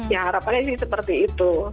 ya harapannya sih seperti itu